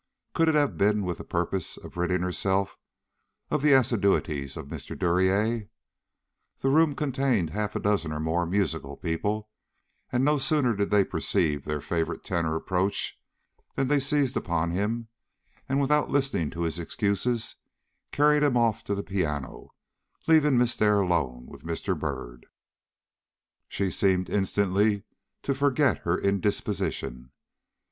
Could it have been with the purpose of ridding herself of the assiduities of Mr. Duryea? The room contained half a dozen or more musical people, and no sooner did they perceive their favorite tenor approach than they seized upon him and, without listening to his excuses, carried him off to the piano, leaving Miss Dare alone with Mr. Byrd. She seemed instantly to forget her indisposition.